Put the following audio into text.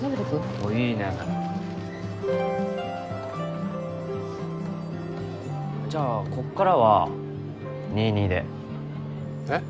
おっいいねえじゃあこっからは２２でえっ？